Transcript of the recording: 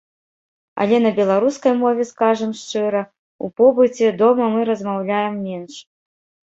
Але на беларускай мове, скажам шчыра, у побыце, дома мы размаўляем менш.